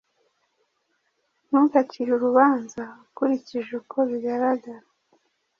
Ntugacire urubanza ukurikije uko bigaragara